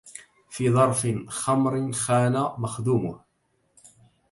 في ظرف خمر خان مخدومه